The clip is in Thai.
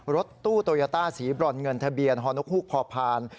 รถตู้โตยาต้าสีบรรเงินทะเบียนฮพ